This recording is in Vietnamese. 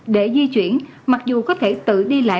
để di chuyển mặc dù có thể tự đi lại